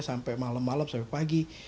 sampai malam malam sampai pagi